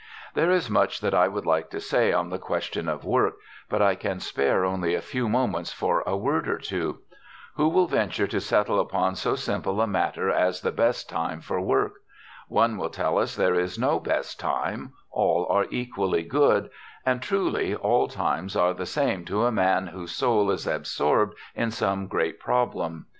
There is much that I would like to say on the question of work, but I can spare only a few moments for a word or two. Who will venture to settle upon so simple a matter as the best time for work? One will tell us there is no best time; all are equally good; and truly, all times are the same to a man whose soul is absorbed in some great problem.